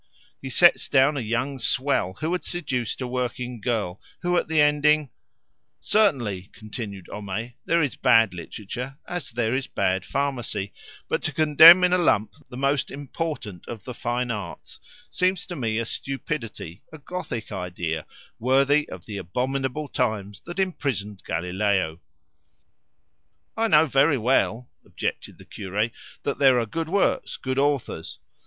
He sets down a young swell who had seduced a working girl, who at the ending " "Certainly," continued Homais, "there is bad literature as there is bad pharmacy, but to condemn in a lump the most important of the fine arts seems to me a stupidity, a Gothic idea, worthy of the abominable times that imprisoned Galileo." "I know very well," objected the cure, "that there are good works, good authors.